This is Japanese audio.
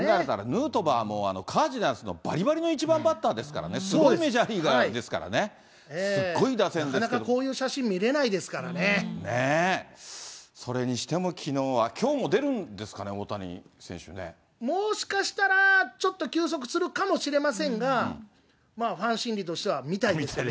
ヌートバーも、カージナルスのバリバリの１番バッターですからね、すごいメジャーリーガーですからね、なかなかこういう写真、見れそれにしてもきのうは、きょもしかしたら、ちょっと休息するかもしれませんが、ファン心理としては見たいですね。